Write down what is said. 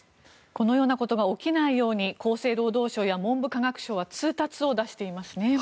このようなことが起きないように厚生労働省や文部科学省は通達を出していますね。